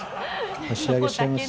箸上げしちゃいます。